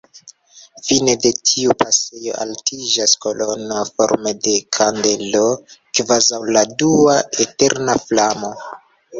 Fine de tiu pasejo altiĝas kolono forme de kandelo, kvazaŭ la dua eterna flamo.